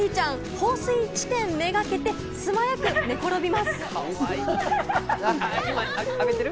放水地点を目掛けて素早く寝転びます。